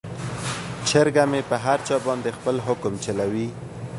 چرګه مې په هر چا باندې خپل حکم چلوي.